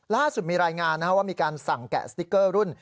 ล่าสุดมีรายงานว่ามีการสั่งแกะสติ๊กเกอร์รุ่น